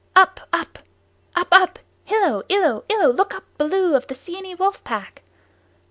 "Up, Up! Up, Up! Hillo! Illo! Illo, look up, Baloo of the Seeonee Wolf Pack!"